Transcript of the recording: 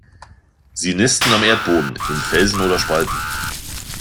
Sie nisten am Erdboden, in Felsen oder Spalten.